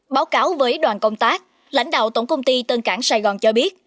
báo cáo với đoàn công tác lãnh đạo tổng công ty tân cảng sài gòn cho biết